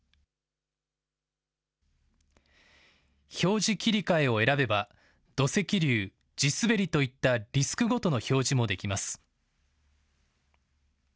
表示切り替えを選べば、土石流、地すべりといったリスクごとの表示もできます。